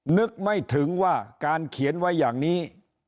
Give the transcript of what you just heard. นึกไม่ถึงว่าการเขียนไว้อย่างนี้